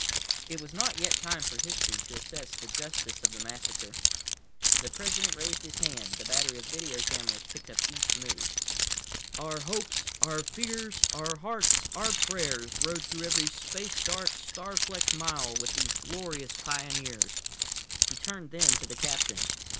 It was not yet time for history to assess the justice of the massacre. The President raised his hand. The battery of video cameras picked up each move. "Our hopes, our fears, our hearts, our prayers rode through every space dark, star flecked mile with these glorious pioneers." He turned then to the captain.